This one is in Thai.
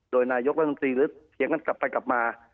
โดยนายกมือจริงหรือเถียงกันไปกลับมา